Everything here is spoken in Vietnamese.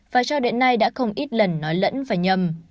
và cho đến nay đã không ít lần nói lẫn và nhầm